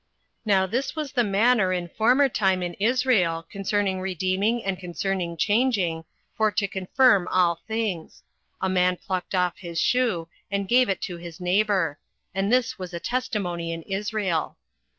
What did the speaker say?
08:004:007 Now this was the manner in former time in Israel concerning redeeming and concerning changing, for to confirm all things; a man plucked off his shoe, and gave it to his neighbour: and this was a testimony in Israel.